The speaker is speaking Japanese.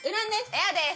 エアです。